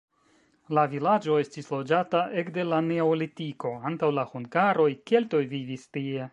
La vilaĝo estis loĝata ekde la neolitiko, antaŭ la hungaroj keltoj vivis tie.